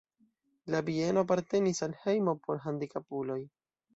La bieno apartenis al hejmo por handikapuloj.